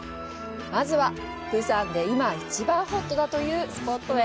まずは、釜山で今一番ホットだというスポットへ！